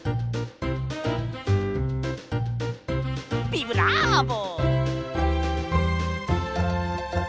ビブラーボ！